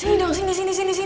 sini dong sini sini sini